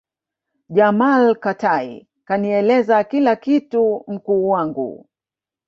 jamal Katai kanieleza kila kitu mkuu wangu